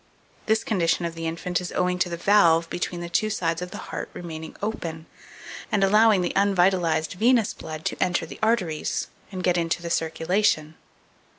This condition of the infant is owing to the valve between the two sides of the heart remaining open, and allowing the unvitalized venous blood to enter the arteries and get into the circulation.